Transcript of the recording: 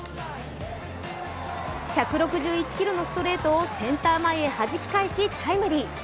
１６１キロのストレートをセンター前にはじき返しタイムリー。